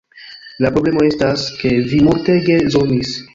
La problemo estas, ke vi multege zomis